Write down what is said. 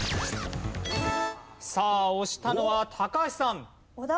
押したのは高橋さん。